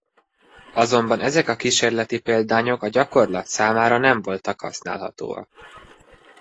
Azonban ezek a kísérleti példányok a gyakorlat számára nem voltak használhatóak.